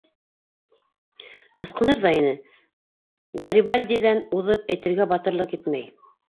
Ысҡыныр ҙа ине, Гарибальдиҙан уҙып, әйтергә батырлыҡ етмәй.